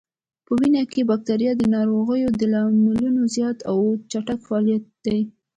په وینه کې بکتریا د ناروغیو د لاملونو زیات او چټک فعالیت دی.